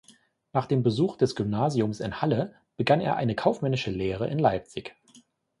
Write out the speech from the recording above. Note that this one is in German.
Nach dem Besuch des Gymnasiums in Halle begann er eine kaufmännische Lehre in Leipzig.